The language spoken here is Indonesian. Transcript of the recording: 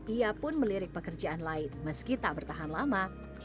ia pun melirik pekerjaan lain meski tak bertahan lama